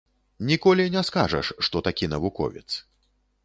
Ніколі не скажаш, што такі навуковец.